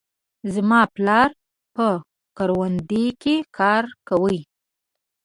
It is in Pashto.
زما پلار په کروندې کې کار کوي.